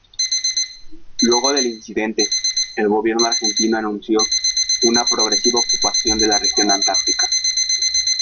Luego del incidente, el gobierno argentino anunció una progresiva ocupación de la región antártica.